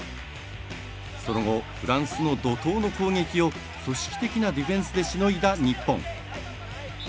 その後、フランスの怒とうの攻撃を組織的なディフェンスでしのいだ日本。